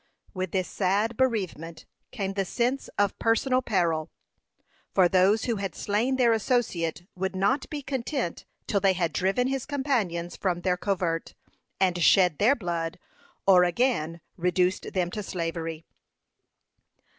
With this sad bereavement came the sense of personal peril, for those who had slain their associate would not be content till they had driven his companions from their covert, and shed their blood or again reduced them to slavery.